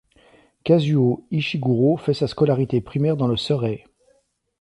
Kazuo Ishiguro fait sa scolarité primaire dans le Surrey.